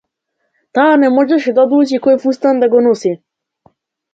Таа не можеше да одлучи кој фустан да го носи.